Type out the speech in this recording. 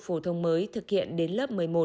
phổ thông mới thực hiện đến lớp một mươi một